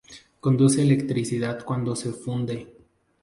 Conduce electricidad cuando se funde.